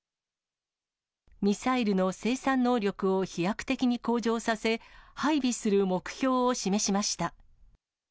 ミサイルの生産能力を飛躍的に向上させ、配備する目標を示しました。